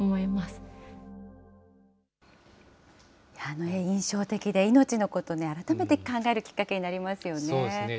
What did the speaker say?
あの絵、印象的で、命のことね、改めて考えるきっかけになりますよね。